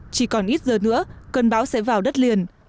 chỉ còn ít giờ nữa cơn bão sẽ vào đất liền